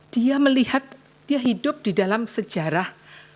dia melihat dia hidup di dalam sejarah